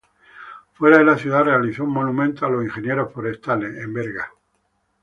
Fuera de la ciudad realizó un "Monumento a los ingenieros forestales", en Berga.